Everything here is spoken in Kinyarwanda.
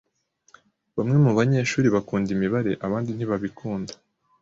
Bamwe mubanyeshuri bakunda imibare abandi ntibabikunda.